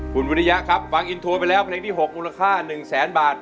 คุณวุณยะครับวางอินทัวร์ไปแล้วแผนกที่๖มูลค่าหนึ่งแสนบาท